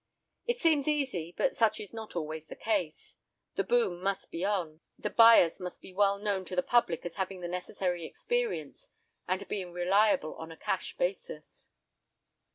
It seems easy, but such is not always the case. The boom must be on. The buyers must be well known to the public as having the necessary experience, and being reliable on a cash basis.